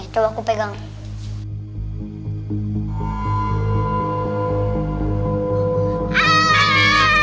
coba aku pegang